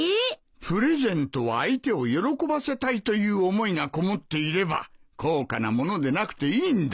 プレゼントは相手を喜ばせたいという思いがこもっていれば高価なものでなくていいんだ。